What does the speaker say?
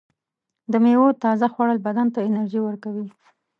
د میوو تازه خوړل بدن ته انرژي ورکوي.